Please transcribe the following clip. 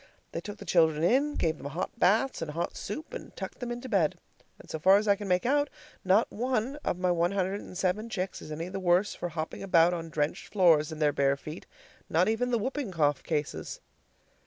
They took the children in, gave them hot baths and hot soup, and tucked them into bed. And so far as I can make out, not one of my one hundred and seven chicks is any the worse for hopping about on drenched floors in their bare feet, not even the whooping cough cases.